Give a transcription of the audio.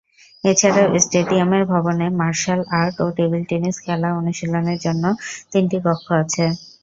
এছাড়াও স্টেডিয়ামের ভবনে মার্শাল আর্ট ও টেবিল টেনিস খেলা ও অনুশীলনের জন্য তিনটি কক্ষ আছে।